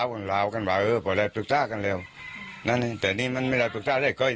เวลาลาวกันต้องได้มาเจอจากนั้นอ้าแต่นี่มันมีและทุกก็ไปนี้